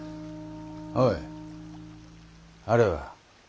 おいあれは？